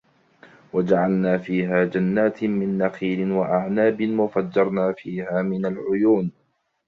وجعلنا فيها جنات من نخيل وأعناب وفجرنا فيها من العيون